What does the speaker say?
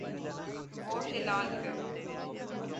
وہ ہلال ہے